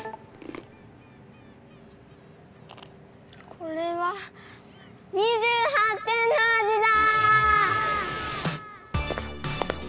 これは２８点の味だ！